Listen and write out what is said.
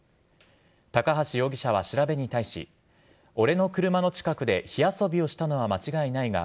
高橋容疑者は調べに対し俺の車の近くで火遊びをしたのは間違いないが